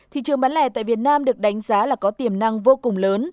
thị trường bán lẻ tại việt nam được đánh giá là có tiềm năng vô cùng lớn